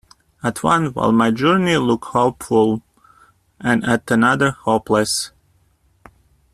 At one while my journey looked hopeful, and at another hopeless.